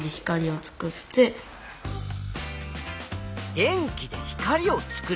「電気で光を作る」。